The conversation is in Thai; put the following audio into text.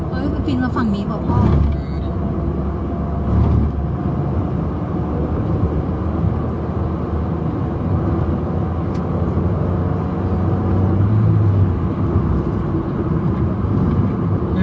เฮ้ยเค้าพินมาฝั่งนี้ป่ะพ่อ